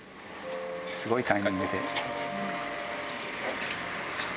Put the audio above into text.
すごいタイミングで。